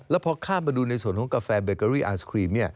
แล้วพอข้ามมาดูในส่วนของกาแฟเบเกอรี่ไอศครีม